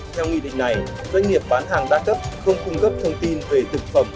theo nghị định này doanh nghiệp bán hàng đa cấp không cung cấp thông tin về thực phẩm